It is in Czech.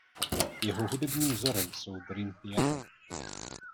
Jeho hudebním vzorem jsou Dream Theatre.